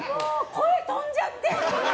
声、飛んじゃって。